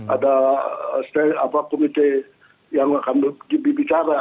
ada komite yang akan bicara